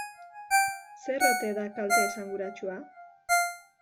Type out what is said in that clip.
Zer ote da kalte esanguratsua?